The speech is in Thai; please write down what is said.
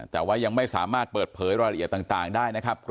แต่ว่ายังไม่สามารถเปิดเผยรายละเอียดต่างได้นะครับ